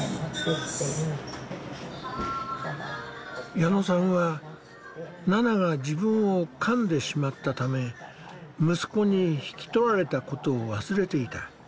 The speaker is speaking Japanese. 矢野さんはナナが自分をかんでしまったため息子に引き取られたことを忘れていた。